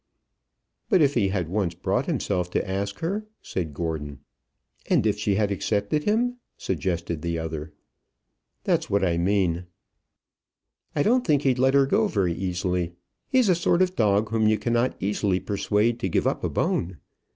"But if he had once brought himself to ask her?" said Gordon. "And if she had accepted him?" suggested the other. "That's what I mean." "I don't think he'd let her go very easily. He's a sort of dog whom you cannot easily persuade to give up a bone.